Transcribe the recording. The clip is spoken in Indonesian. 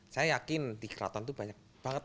saya yakin di keraton itu banyak banget